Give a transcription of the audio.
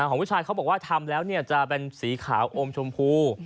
ของผู้ชายเขาบอกว่าทำแล้วจะเป็นสีขาวอมชมพู